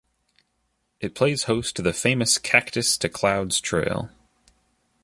It plays host to the famous Cactus to Clouds Trail.